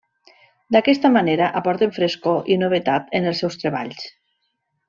D'aquesta manera aporten frescor i novetat en els seus treballs.